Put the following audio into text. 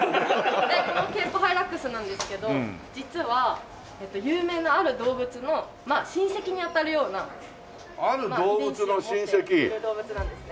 このケープハイラックスなんですけど実は有名なある動物の親戚にあたるような遺伝子を持っている動物なんですね。